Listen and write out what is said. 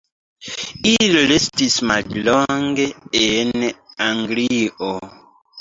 Ili restis mallonge en Anglio.